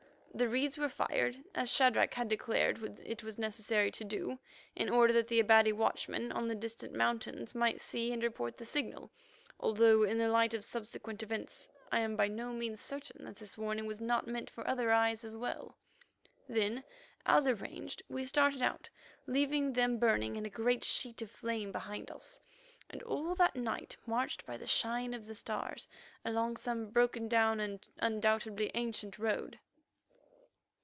The reeds were fired, as Shadrach had declared it was necessary to do, in order that the Abati watchmen on the distant mountains might see and report the signal, although in the light of subsequent events I am by no means certain that this warning was not meant for other eyes as well. Then, as arranged, we started out, leaving them burning in a great sheet of flame behind us, and all that night marched by the shine of the stars along some broken down and undoubtedly ancient road.